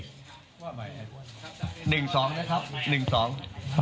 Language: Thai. ๑๒นะครับ๑๒